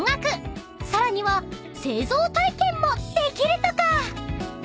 ［さらには製造体験もできるとか］